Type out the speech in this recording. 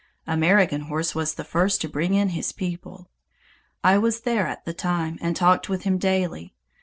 American Horse was the first to bring in his people. I was there at the time and talked with him daily.